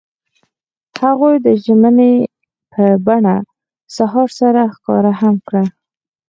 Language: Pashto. هغوی د ژمنې په بڼه سهار سره ښکاره هم کړه.